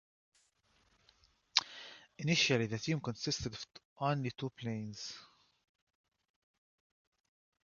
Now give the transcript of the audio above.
Initially, the team consisted of only two planes.